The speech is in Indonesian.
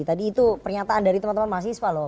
tadi itu pernyataan dari teman teman mahasiswa loh